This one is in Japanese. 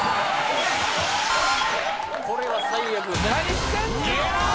これは最悪。